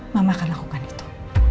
mama akan lakukan itu